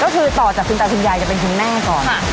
ก็คือต่อจากคุณตาคุณยายจะเป็นคุณแม่ก่อน